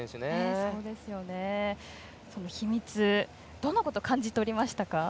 どんなことを感じ取りましたか。